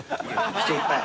人いっぱい？